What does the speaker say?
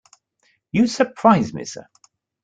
You surprise me, sir.